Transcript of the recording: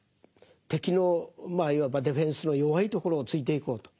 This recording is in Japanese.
敵のまあいわばディフェンスの弱いところをついていこうと。